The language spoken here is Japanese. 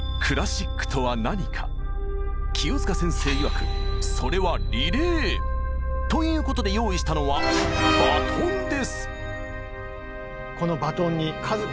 清塚先生いわくそれは「リレー」！ということで用意したのはなるほど。